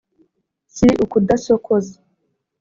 si ukudasokoza